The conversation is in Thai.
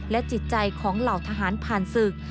จิตใจของเหล่าทหารผ่านศึก